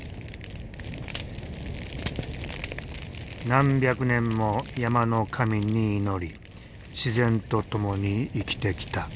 何百年も山の神に祈り自然と共に生きてきた。